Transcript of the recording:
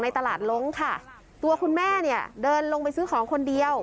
ตลาดลงค่ะตัวคุณแม่เนี่ยเดินลงไปซื้อของคนเดียว